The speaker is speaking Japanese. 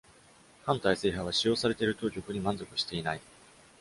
反体制派は、使用されている当局に満足していない。